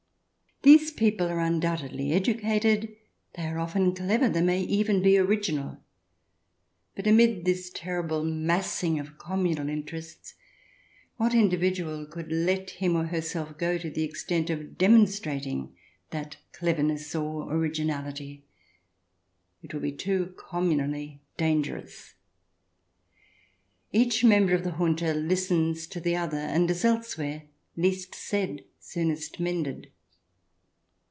These people are undoubtedly educated, they are often clever, they may even be original, but amid this terrible massing of communal interests, what individual could let him or herself go to the extent of demonstrating that cleverness or originality ? It would be too communally dangerous. Each member of the junta listens to the other, and as elsewhere, least said soonest mended.